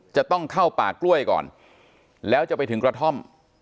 จะต้องเข้าป่ากล้วยก่อนแล้วจะไปถึงกระท่อม